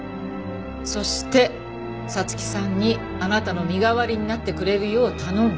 そして彩月さんにあなたの身代わりになってくれるよう頼んだ。